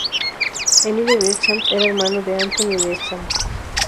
Émile Deschamps era hermano de Antony Deschamps.